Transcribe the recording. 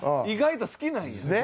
意外と好きなんや。